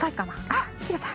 あっきれた。